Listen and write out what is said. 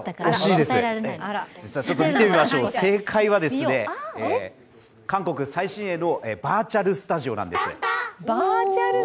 惜しいです、見てみましょう正解は韓国最新鋭のバーチャルスタジオなんですね。